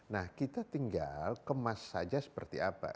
nah kita tinggal kemas saja seperti apa